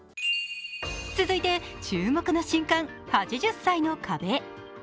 続いて、注目の新刊「８０歳の壁」。